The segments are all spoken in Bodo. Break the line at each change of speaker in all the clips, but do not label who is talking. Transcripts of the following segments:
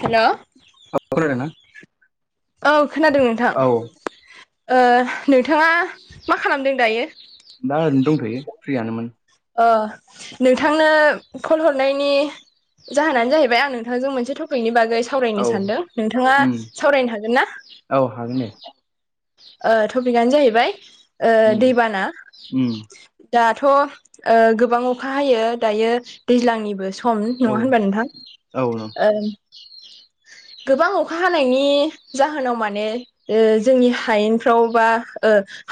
हेलौ
[unintelligible]
औ खोनादों नोंथां
औ
ओ नोंथाङा मा खालामदों दायो?
दा ओरैनो दंथ'यो फ्रियानोमोन
अ नोंथांनो कल हरनायनि जाहोनानो जाहैबाय आं नोंथांजों मोनसे टपिकनि बागै सावरायनो
औ
सानदों नोंथांङा
उम
सावरायनो हागोन ना?
औ हागोन दे
टपिकआनो जाहैबाय
उम
दैबाना
उम
दाथ' ओ गोबां अखा हायो दायो दैज्लांनिबो सम नंङा
औ
होनबा नोंथां
औ न
ओ गोबां अखा हानायनि जाहोनाव माने जोंनि हायेनफ्राव बा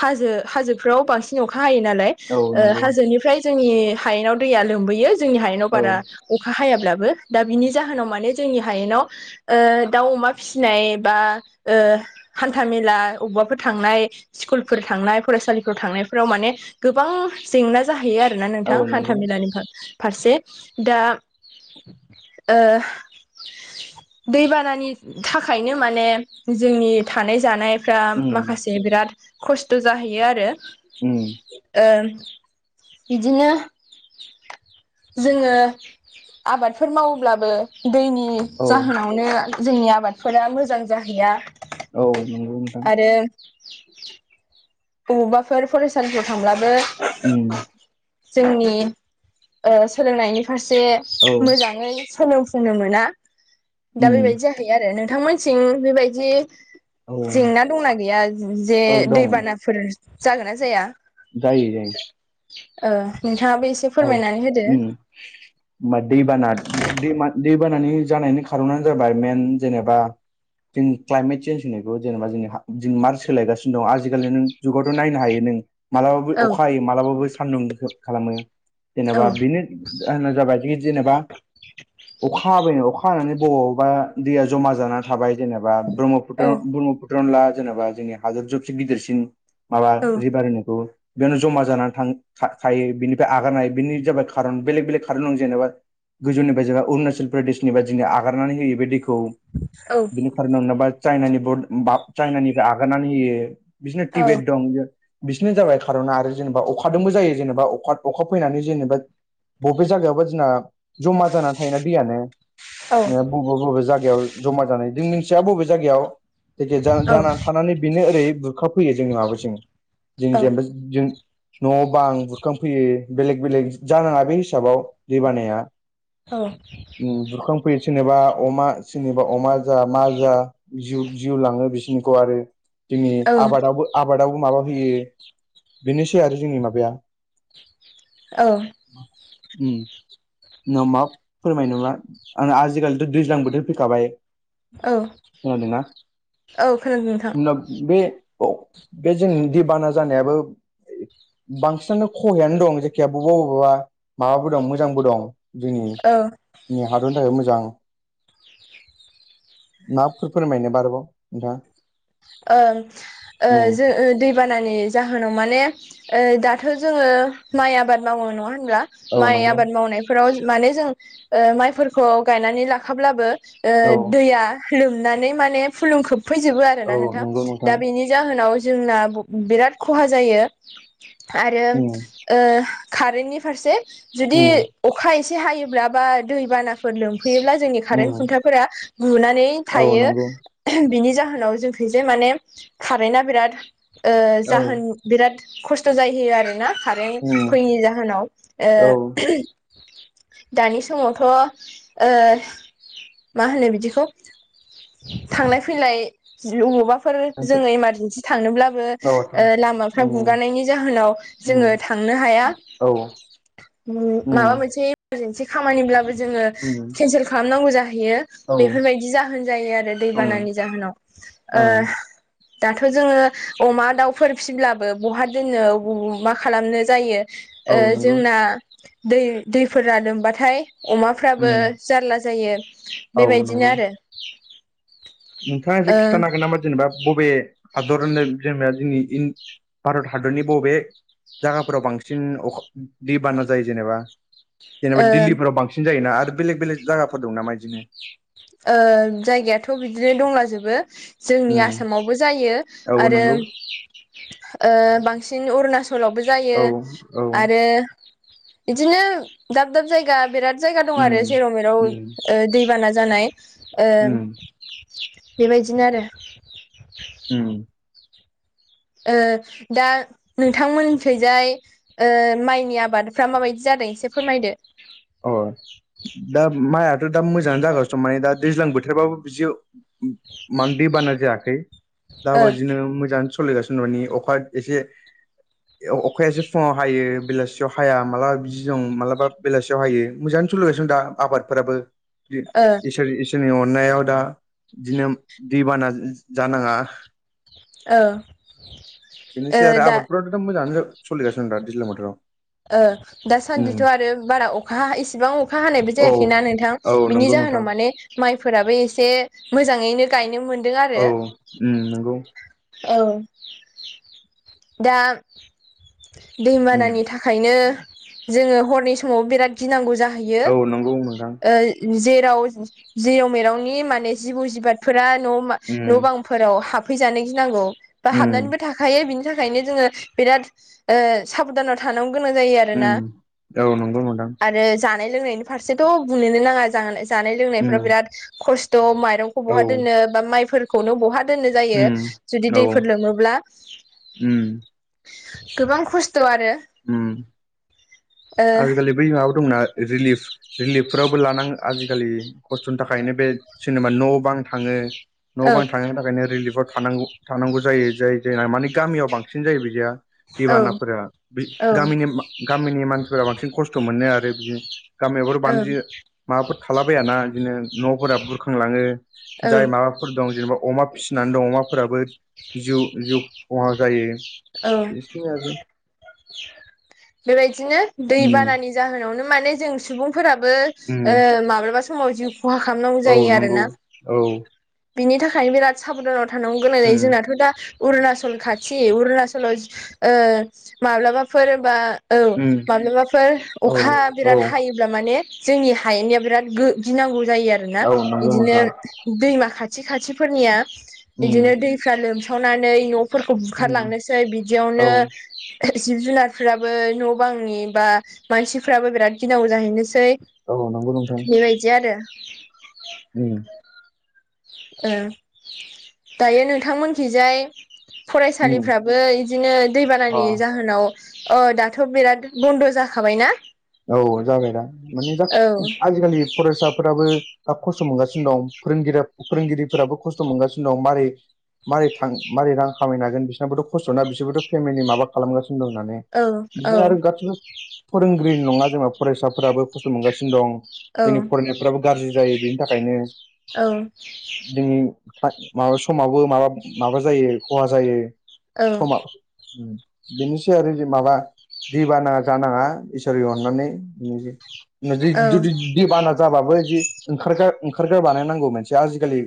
हाजो हाजोफ्राव बांसिन अखा हायो नालाय
औ
ओ
नंगौ
हाजोनिफ्राय जोंनि हायेनाव दैया लोमबोयो जोंनि हायेनाव
औ
बारा अखा हायाब्लाबो दा बिनि जाहोनाव माने जोंनि हायेनाव ओ दाउ अमा फिसिनाय बा हान्था मेला अबबाफोर थांनाय स्कुलफोर थांनाय फरायसालिफोराव थांनायफोराव माने गोबां जेंना जाहैयो आरोना
औ
नोंथां हान्था
नंगौ
मेलानिफा फारसे दा ओ दैबानानि थाखायनो माने जोंनि थानाय जानाय फोरा
उम
माखासे बिराद खस्थ' जाहैयो आरो।
उम।
ओ बिदिनो जोंङो आबादफोर मावोब्लाबो दैनि
औ
जाहोनावनो जोंनि आबादफोरा मोजां जाहैया।
औ नंगौ नोंथां।
आरो बबावबाफोर फरायसालिफ्राव थांब्लाबो
उम
जोंनि सोलोंनायनि फारसे
औ
मोजां सोलों फुनो मोना दा
उम
बेबायदि जाहै यो आरो नोंथांमोनसिं बेबायदि
औ
जेंना दंना गैया जे
औ दं
दैबानाफोर जागोन ना जाया?
जायो जायो।
नोंथांङा इसे
औ। उम।
[inaudible]
होमबा दैबाना दैमा दैबानानि जानायनि खार'नानो जाबाय मेन जेनेबा जों क्लाइमेट चन्ज होनायखौ जेनेबा जोंनि जों मार्च सोलायानो दं आजिखालि नों जुगावथ' नायनो हायो नों मालाबाबो
औ
अखा हायो मालाबाबो सान्दुं खालामो
औ
जेनेबा बेनो होनना जाबाय जेनेबा अखा हाबायनो अखा हानानै बबावबा दैया जमा जानानै थाबाय जेनेबा ब्रह्मपु पुत्र
औ
ब्रह्मपुत्र ला जेनेबा जोंनि हादर जुबसे गिदिरसिन माबा
औ
रिभार होनायखौ बेयावनो जमा जानानै थां था-थायो बेनिफ्राय आगारनो हायो बेनि जाबाय खारन बेलेग बेलेग खारन दं जेनेबा गोजौनिफ्राय जोंनिया अरुणाचल प्रदेशनिफ्राय आगारनानै होयो बे दैखौ
औ।
[unintelligible] चाइनानिबो चाइनानिफ्राय आगारनानै होयो बिसनो
औ
टिबेट दं। बिसोरनो जाबाय खार'ना आरो जेनेबा अखादोंबो जायो जेनेबा अखा अखा फैनानै जेनेबा बबे जायागायावबा जोंना जमा जानानै थायोना दैयानो
औ
बबे बबे जायगायाव जमा जानाय जों मिथिया बबे जायगायाव जायखिया ज
औ
जानानानै थानानै बेनो ओरै बुरखफैयो जोंनिहाबो जों जों जेनेबा जों न'बां आं बुरखां फैयो बेलेग बेलेग जानाङा बे हिसाबाव दैबानाया।
औ।
बुरखांफैयो सोरेननोबा अमा सोरनिबा अमा जा मा जा जिउ जिउ लाङो बिसनिखौ आरो। जोंनि आबादावबो आबादावबो माबा होयो। बेनोसै आरो जोंनि माबाया।
औ।
ओ। न मा फोरमाय नङा आं आजिखालिथ' दैज्लां बोथोर फैखाबाय।
औ
खोनादोंना
औ खोनादों नोंथां।
उनाव बे बे जों दैबाना जानायाबो बांसिनानो सहायानो दं जायखिजाया बबेबा बबेबा माबाबो दं मोजांबो दं जोंनि।
औ
जोंनि हादरनि थाखाय मोजां। माफोर फोरमायनो मारबाव नोंथाङा?
ओ ओ
उम
जों दै। दैबानानि जाहोनाव। माने दाथ' जोङो माइ आबाद मावो नङा होनब्ला।
औ
माइ
नंगौ
आबाद मावनायफोराव माने जों माइफोरखौ गायनानै लाखाब्लाबो ओ
औ
दैया लोमनानै माने फुलुं खोबफैजोबो आरो
औ
ना नोंथां।
नंगौ
दा बे बिनि जाहोनाव जोंना बिराद खहा जायो। आरो
उम
ओ कारेन्टनि फारसे जुदि
उम
अखा एसे हायोब्ला, बा दैबानाफोर लोमफैयोब्ला जोंनि
उम
कारेन खुन्थाफोरा गुबुनानै
औ
थायो।
नंगौ
बिनि जाहोनाव बे जे माने कारेन्टा बिराद
औ
जाहोन बिराद खस्थ' जाहैयो आर ना कारेन्ट
उम
फैनि जाहोनाव। ओ
औ
दानि समावथ'ओ मा होनो बिदिखौ थांलाय फैलाय अबावबा फोर
थांसब
जोङो इमारजेन्सि थांनोब्लाबो
औ थां
लामाफ्रा
उम
गुगानायनि जाहोनाव
उम
जोङो थांनो हाया।
औ
माबा
उम
मोनसे इमारजन्सि खामानिब्लाबो जोङो
उम
केन्सेल खालामनांगौ जाहैयो।
औ
बेफोरबायदि जा होन जायो आरो दै
उम
बानानि जाहोनाव।
ओ
दाथ' जोङो अमा, दाउफोर फिसिब्लाबो बहा दोननो मा खालामनो जायो।
औ नंगौ
जोंना दै दैफोरा लोमबाथाय अमा
उम
फ्राबो जारला जायो।
औ
बे बायदिनो
नंगौ
आरो।
नोंथाङा एसे
ओ
खिथानो होगोन नामा जेनबा बबे हादर होन जेनेबा जोंनि भारत हादरनि बबे जायगाफोराव बांसिन अखा दैबाना जायो जेनेबा? जेनेबा
ओ
दिल्लीफोराव बांसिन जायोना आरो बेलेग बेलेग जायाफोर दं नामा बिदिनो?
जायगायाथ' बिदिनो दंलाजोबो। जोंनि
उम
आसामावबो जायो
औ
आरो
नंगौ
बांसिन अरुनाचलावबो जायो
औ औ
आरो बिदिनो दाब दाब जायगा बिराद जायगा दं आरो
उम
जेराव मेराव
उम
दैबाना जानाय।
उम
बे बायदिनो आरो।
ओ।
दा नोंथांमोननिखैजाय माइनि आबादफ्रा माबायदि जादों एसे फोरमायदो?
अ! दा माइथ' दा मोजाङानो जागासिनो दं माने दा दैज्लां बोथोरबाबो बिदि माने दैबाना जायाखै। दा
ओ
बेबादिनो मोजां सोलिगासिनो माने अखा एसे अखायासो फुङाव हायो, बेलासियाव हाया मालाबा बिदि दं मालाबा बेलासियाव। मोजां सोलिगासिनो दा आबादफोराबो।
ओ
इसोर सोरनि अननायाव दा बिदिनो दै बाना जानाङा।
ओ
बेनोसै आरो आबादफोराथ' दा मोजाङानो। सोलिगासिनो दा दैज्लां बोथोराव।
ओ
उम
दासान्दिथ' आरो बारा अखा इसिबां अखा हानायबो
औ
जायाखैना नोंथां।
औ
बिनि
नंगौ नोंथां
जाहोनाव माने माइफोराबो एसे मोजाङैनो गायनो मोनदों
औ
आरो।
उम नोंगौ।
औ! दा दै
उम
बानानि थाखायनो जोङो हरनि समाव बिराद गिनांगौ जाहैयो।
औ नंगौ नोंथां
जेराव जेराव मेरावनि माने जिबौ जिबादफोरा न' न'
उम
बां फोराव हाबफैजानो गिनांगौ बा
उम
हाबनानैबो था खायो बिनि थाखायनो जोङो बिराद साबधानाव थांनांगौ गोनां जायो आरोना।
उम औ नंगौ नोंथां
आरो जानाय लोंनायनि फारसेथ' बुंनोनो नाङा जानाय लोंनायफ्रा
उम
बिराद खस्थ' माइरं
औ
बहा दोननो बा माइफोरखौनो बहा दोननो जायो।
उम
जुदि
औ
दैफोर लोमोब्ला।
उम
[inaudible] गोबां खस्थ' आरो।
उम
ओ
आजिखालि बै माबा दंना रिलिफ रिलिफफोरावबो लानांगो आजिखालि खस्थ'नि थाखायनो बे जेनेबा न' बां थाङो। न'
औ
बां थांनो थाखायनो रिलिफआव थांगौ थानांगौ जायो जाय जाय मानि गामियाव बांसिन जायो बिदिया।
औ
दैबानाफोरा
औ
गामिनि गामिनि मानसिफोरा बांसिन खस्थ' मोनो आरो बिदिनो। गामियाफोर बानजियो माबाफोर थालाबायाना बिदिनो न'फोरा बुरखांलाङो
औ
जाय माबा फोर दं जेनेबा अमा फिसिनानै दं अमाफोराबो जिउ खहा जायो
औ
बिसिनि आरो
[inaudible] बेबायदिनो दै
उम
बानानि जाहोनावनो माने जों सुबुं फोराबो
उम
माब्लाबा समाव जिउ खहा खालामनांगौ
औ
जायो
नंगौ
आरोना।
औ
बिनि थाखायनो बिराद साबधानाव थानांगौ गोनां जायो
उम
जोंनाथ' दा अरुणाचल खाथि अरुणाचलाव ओ माब्लाबाफोर बा औ
उम
माब्लाबाफोर
औ
अखा
औ
बिराद हायो। अब्ला माने जोंनि हायेननिया बिराद गिनांगौ जायो आरो ना।
औ नंगौ
बिदिनो
नोंथां
दैमा खाथि खाथिफोरनिया
उम
बिदिनो दैफ्रा लोमसावनानै न' फोरखौ
उम
बुखारलांनोसै
औ
बिदियावनो जिब जुनारफ्राबो न' बांनि बा मानसिफ्राबो बिराद गिनांगौ जाहैनोसै
औ नंगौ नोंथां।
बेबायदि आरो
[inaudible] उम
ओ, दायो नोंथांमोनखिजाय
उम
फरायसालिफ्राबो इदिनो
अ
दैबानानि जाहोनाव ओ दाथ' बिराद बन्द' जाखाबायना।
औ जाबाय दा माने जा
औ
आजिखालि फरायसाफोराबो दा खस्थ' मोनगासिनो दं फोरोंगिरि फोरोंगिरिफोराबो खस्थ' मोनगासिनो दं मारै मारै थां मारै रां खामायनो हागोन बिसनाबोथ' खस्थ' ना बिसोरबोथ' फेमिलि माबा खालामगासिनो दं होननानै।
औ औ
बिदिनो आरो गासिबो फोरोंगिरि नङा जेनेबा फरायसाफोराबो खस्थ' मोनगासिनो दं।
औ
जोंनि फरायनायफ्राबो गाज्रि जायो बेनि थाखायनो
औ
जोंनि माबा समावबो माबा माबा जायो खहा जायो
औ
समाव बेनोसै आरो माबा दै बाना जानाङा एसे
औ
[unintelligible] जुदि दैबाना जाबाबो जि ओंखारग्रा ओंखारग्रा बानायनांगौ मोनसे आजिखालि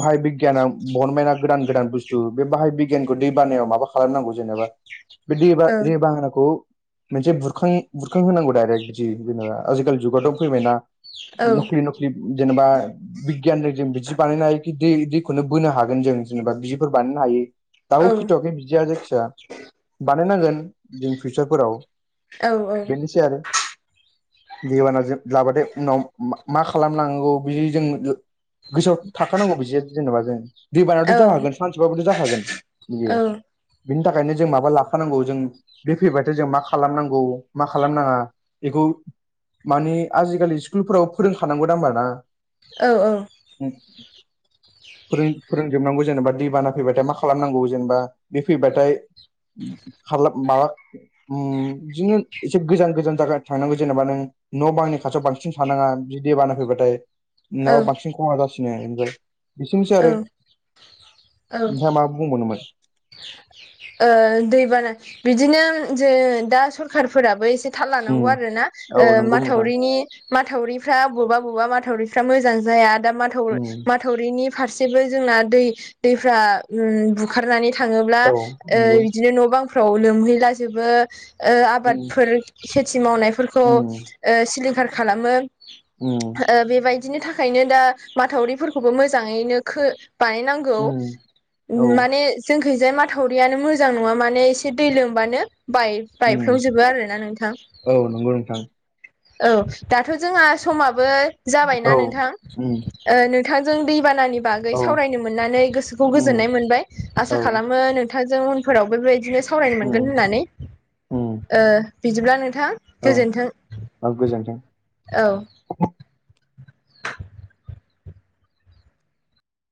बाहाय बि गियाना बहनमायना गोदान गोदान बुस्थु बे बाहाय बिगियानखौ दै बानायाव माबा खालामनांगौ जेनेबा बे दैबा- दै बाहाखौ मोनसे बुरखां बुरखां होनोनांगौ दडाइरेक्ट जि जेनेबा आजिखालि जुगाथ' फैबायना
औ
नख्रि नख्रि जेनेबा बिगियाननिफ्राय जों बिदि बानायनाय दै दैखौनो बोनो हागोन जों जेनेबा बिजफोर बानायनो हायो दाउ फिथावखै बिदिया जे आदसा बानायनांगोन जों फिउचारफोराव
औ
बेनोसै आरो। दैेबानााजों लाबाथाय उनाव मा खालामलनांगौ बिदि जों [unintelligible] गोसोआव थाखानांगौ बिदि जेनेबा जों दैबानाथ' जाहागोन सानसेबाबोथ' जाखागोन बि बिनि थाखायनो जों माबा लाखानांगौ जों बे फैबाथाय जों मा खालामनांगौ। मा खालामनाङा बेखौ मानि आजिखालि स्कुलफोराव फोरोंखानांगौदा होमबा ना
औ, औ
फोर फोरोंजोबनांगौ जेनेबा दैबाना फैबाथाय माखासे खालामनांगौ जेनेबा बे फैबाथाय माबा जोंङ एसे गोजान गोजान जायगा थांनांगौ जेनेबा नों न' बांनि खाथियाव बांसिन थानाङा, बि द बाना फैबाथाय नाबा बांसिन खमा जासिनो ओमफ्राय बिसिनोसै आरो
औ, औ
नोंथाङा मा बुंबावनोमोन
दैबाना बिदिनो जों दा सरखारफोराबो एसे थाल लानांगौ
उम
आरो ना
औ नंगौ नोंथां
माथावरिनि माथावरिफ्रा बबेबा- बबेबा माथावरिफ्रा मोजां जाया दा माथाव
उम
माथावरिनि फारसेबो जोंना दै दैफ्रा ओंखारनानै थाङोब्ला
औ नंगौ
बिदिनो न' बांफ्राव लोमहैलाजोबो ओ
उम
आबादफोर खेथि मावनायफोरखौ
उम
ओ सिलिंखार खालामो।
उम
ओ बेबायदिनि थाखायनो दा माथावरिफोरखौबो मोजां मोजाङैनो बानायनांगौ
उम औ
माने जोंखैजाय माथावरियानो मोजां नङा माने एसे दै लोमबानो बाय
उम
बायफ्र्लावजोबो आरोना नोंथां।
औ नंगौ नोंथां
औ दाथ' जोंहा समाबो जाबायना
औ
नोंथां
उम
नोंथांजों दैबानानि बागै
औ
सावरायनो मोननानै गोसोखौ
उम
गोजोननाय मोनबाय।
औ
आसा खालामो नोंथांजों उनफोरावबोबायदिनो सावरायनो मोनगोन
उम
होननानै।
उम
बिदिब्ला नोंथां
औ
गोजोनथों।
गोजोनथों
औ